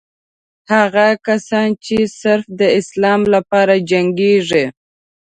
هغه کسان چې صرف د اسلام لپاره جنګېږي.